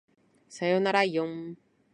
さよならいおん